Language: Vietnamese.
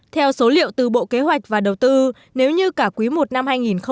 theo số liệu từ bộ kế hoạch và đầu tư nếu như cả quý i năm hai nghìn một mươi chín